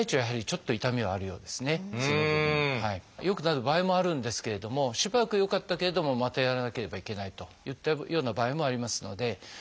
良くなる場合もあるんですけれどもしばらく良かったけれどもまたやらなければいけないといったような場合もありますので。